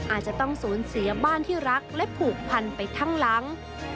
อาจจะต้องสูญเสียบ้านที่รักและผูกพันไปทั้งหลัง